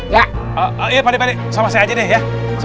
iya pak deng sama saya aja deh ya